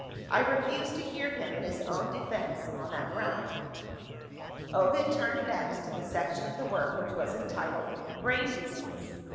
I refuse to hear him in his own defense, on that ground." Ovid turned next to the section of the work which was entitled "Brain Disease."